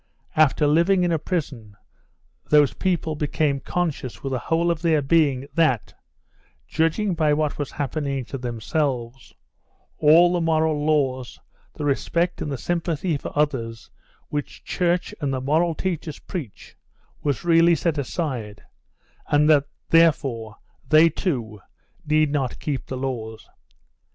After living in a prison those people became conscious with the whole of their being that, judging by what was happening to themselves, all the moral laws, the respect and the sympathy for others which church and the moral teachers preach, was really set aside, and that, therefore, they, too, need not keep the laws.